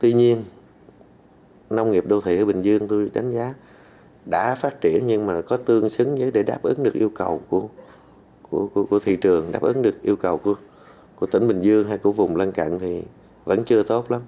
tuy nhiên nông nghiệp đô thị ở bình dương tôi đánh giá đã phát triển nhưng mà có tương xứng với để đáp ứng được yêu cầu của thị trường đáp ứng được yêu cầu của tỉnh bình dương hay của vùng lân cận thì vẫn chưa tốt lắm